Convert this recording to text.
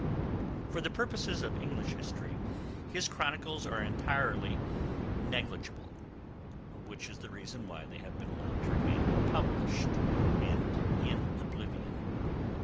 For the purposes of English history his chronicles are entirely negligible, which is the reason why they have been allowed to remain unpublished and in oblivion.